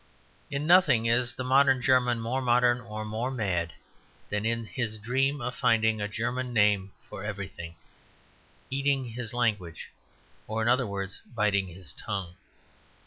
In nothing is the modern German more modern, or more mad, than in his dream of finding a German name for everything; eating his language, or in other words biting his tongue.